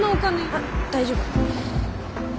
あっ大丈夫。